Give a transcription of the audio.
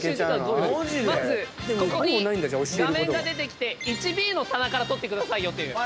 まずここに画面が出てきて１Ｂの棚から取ってくださいと。